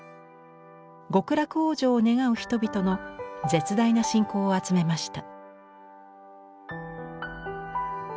極楽往生を願う人々の絶大な信仰を集めました。